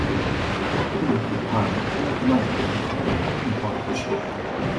科尼河畔丰特奈人口变化图示